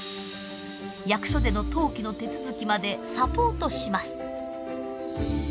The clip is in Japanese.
役所での登記の手続きまでサポートします。